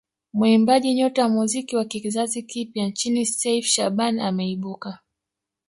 Muimbaji nyota wa muziki wa kizazi kipya nchini Seif Shabani ameibuka